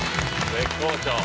絶好調。